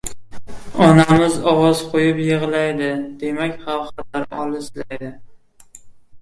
Onamiz ovoz qo‘yib yig‘laydi — demak, xavf-xatar olislaydi.